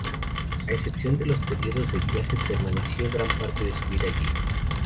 A excepción de los periodos de viajes, permaneció gran parte de su vida allí.